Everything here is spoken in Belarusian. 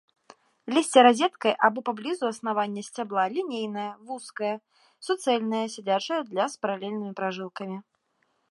Лісце разеткай або паблізу аснавання сцябла, лінейнае, вузкае, суцэльнае, сядзячае для, з паралельнымі пражылкамі.